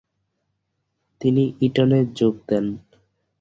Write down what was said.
তিনি ইটনে যোগ দেন।